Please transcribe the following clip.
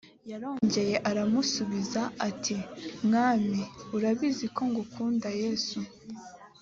yarongeye aramusubiza ati mwami urabizi ko ngukunda yesu